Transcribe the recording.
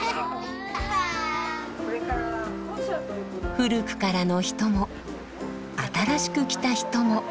古くからの人も新しく来た人も。